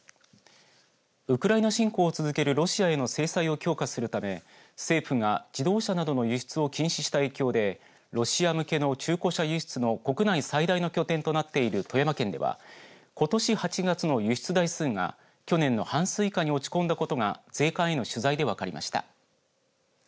ウクライナ侵攻を続けるロシアへの制裁を強化するため政府が自動車などの輸出を禁止した影響でロシア向けの中古車輸出の国内最大の拠点となっている富山県ではことし８月の輸出台数が去年の半数以下に落ち込んだことが税関への取材で分かりました。